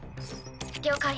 了解。